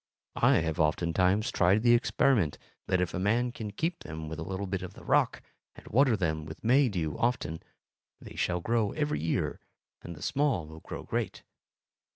I have oftentimes tried the experiment that if a man keep them with a little of the rock, and water them with May dew often, they shall grow every year and the small will grow great.